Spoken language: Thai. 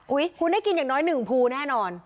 คุณได้กินอย่างน้อย๑ภูแน่นอน